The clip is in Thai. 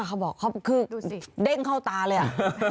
เขาบอกเขาคือดูสิเด้งเข้าตาเลย